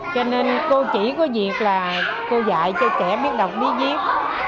cho nên cô chỉ có việc là cô dạy cho trẻ biết đọc bí viết